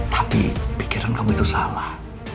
tapi pikiran kamu itu salah